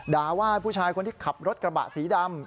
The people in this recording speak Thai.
ด่าว่าผู้ชายคนที่ขับรถกระบะสีดำ